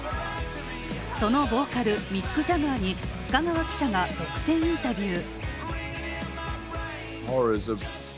そのボーカル、ミック・ジャガーに須賀川記者が独占インタビュー。